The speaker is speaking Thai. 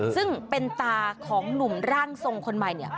ซึ่งเป็นตาของหนุ่มร่างทรงคนใหม่เนี่ย